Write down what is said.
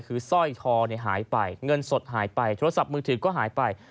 คือสร้อยคอหายไปเงินสดหายไปโทรศัพท์มือถือก็หายไป